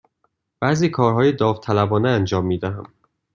بعضی کارهای داوطلبانه انجام می دهم.